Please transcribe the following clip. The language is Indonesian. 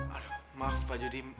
aduh maaf pak jodim